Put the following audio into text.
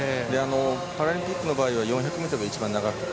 パラリンピックの場合は４００ｍが一番長くて。